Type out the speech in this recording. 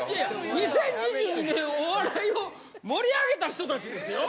２０２２年お笑いを盛り上げた人達ですよ